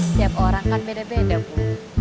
setiap orang kan beda beda bu